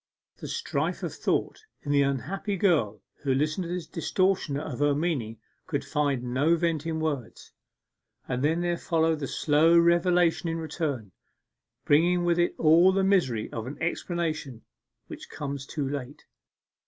The strife of thought in the unhappy girl who listened to this distortion of her meaning could find no vent in words. And then there followed the slow revelation in return, bringing with it all the misery of an explanation which comes too late.